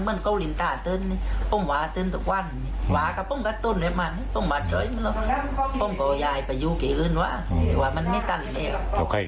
เราก็เลยไปถามว่านินทาราชัย